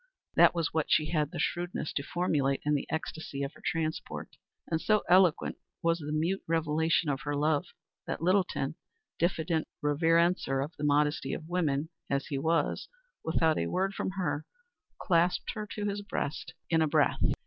That was what she had the shrewdness to formulate in the ecstasy of her transport; and so eloquent was the mute revelation of her love that Littleton, diffident reverencer of the modesty of woman as he was, without a word from her clasped her to his breast, a victor in a breath.